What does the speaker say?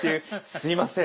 すいません。